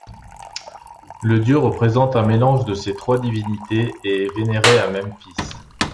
Le dieu représente un mélange de ces trois divinités et est vénéré à Memphis.